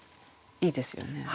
いいですよね